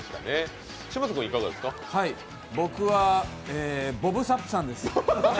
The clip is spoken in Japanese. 僕はボブ・サップさんです。